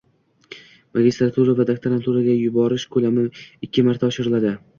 magistratura va doktoranturaga yuborish ko‘lami ikki marta oshiriladi.